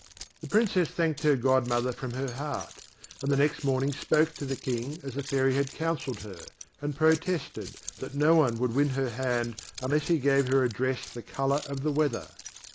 The Princess thanked her godmother from her heart, and the next morning spoke to the King as the Fairy had counselled her, and protested that no one would win her hand unless he gave her a dress the colour of the weather.